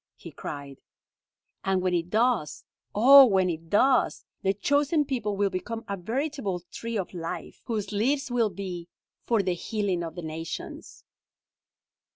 he cried. "And when it does, O when it does, the 'chosen people' will become a veritable tree of life, whose leaves will be 'for the healing of the nations.'"